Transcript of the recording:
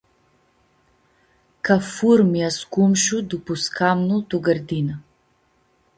Ca fur mi-ascumshu dupu scamnul tu gãrdinã.